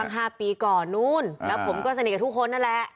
ห้าปีก่อนนู้นแล้วผมก็สนิทกับทุกคนนั่นแหละ